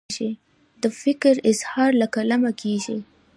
د فکر اظهار له قلمه کیږي.